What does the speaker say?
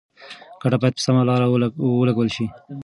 ګټه باید په سمه لاره ولګول شي.